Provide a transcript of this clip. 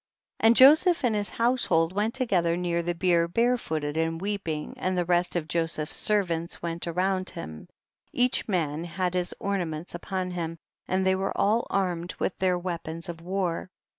40. And Joseph and his household went together near the bier barefooted and weeping, and the rest of Joseph's servants went around him ; each man had his ornaments upon him, and they were all armed with their weapons of war.